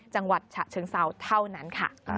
จังหวัดฉะเชิงเซาเท่านั้นค่ะ